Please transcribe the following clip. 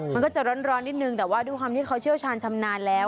มันก็จะร้อนนิดนึงแต่ว่าด้วยความที่เขาเชี่ยวชาญชำนาญแล้ว